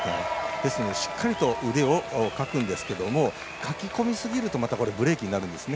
ですのでしっかりと腕をかくんですけどかきこみすぎるとまたブレーキになるんですね。